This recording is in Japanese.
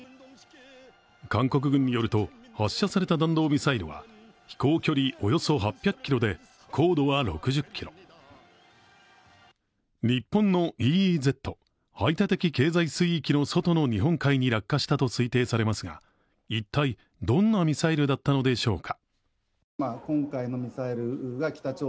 韓国軍によると発射された弾道ミサイルは飛行距離およそ８００ｋｍで高度は６０ｋｍ日本のＥＥＺ＝排他的経済水域の外の日本海に落下したと推定されますが、一体、どんなミサイルだったのでしょうか。